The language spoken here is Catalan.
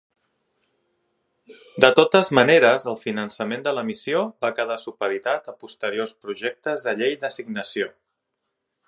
De totes maneres, el finançament de la missió va quedar supeditat a posteriors projectes de llei d'assignació.